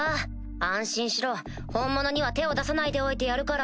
安心しろ本物には手を出さないでおいてやるから。